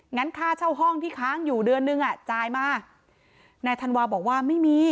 งั้นค่าเช่าห้องที่ค้างอยู่เดือนนึงอ่ะจ่ายมานายธันวาบอกว่าไม่มี